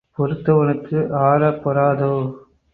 பொறுத்தவனுக்கு ஆறப் பொறாதோ?